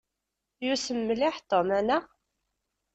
Yussem mliḥ Tom, anaɣ?